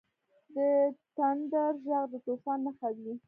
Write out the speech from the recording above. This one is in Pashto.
• د تندر ږغ د طوفان نښه وي.